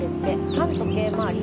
反時計回り。